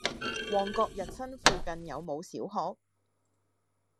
旺角逸新附近有無小學？